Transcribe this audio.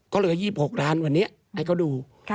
ก็เลย๒๖ล้านวันนี้ให้เขาดู